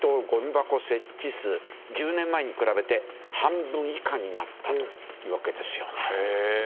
１０年前に比べて半分以下になったというわけですよね。